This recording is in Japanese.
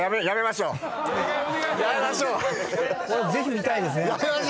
ぜひ見たいですね。